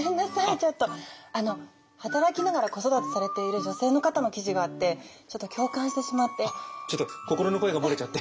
ちょっとあの働きながら子育てされている女性の方の記事があってちょっと共感してしまって。